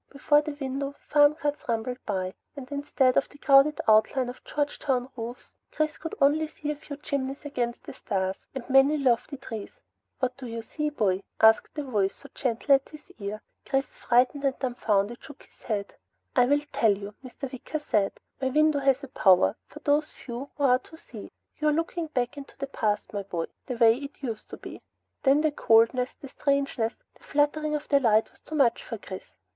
Before the window, farm carts rumbled by, and instead of the crowded outline of Georgetown roofs, Chris could see only a few chimneys against the stars, and many lofty trees. "What do you see, boy?" asked the voice, so gentle, at his ear. Chris, frightened and dumbfounded, shook his head. "I will tell you," Mr. Wicker said. "My window has a power for those few who are to see. You are looking back into the past, my boy. The way it used to be." Then the coldness, the strangeness, the fluttering of the light was too much for Chris.